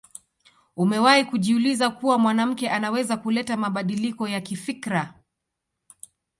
Umewahi kujiuliza kuwa mwanamke anaweza kuleta mabadiliko ya kifikra